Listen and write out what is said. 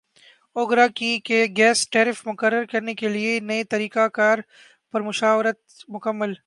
اوگرا کی gas tariff مقرر کرنے کیلئے نئے طریقہ کار پر مشاورت مکمل